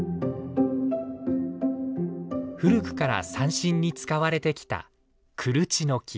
古くから三線に使われてきた黒木の木。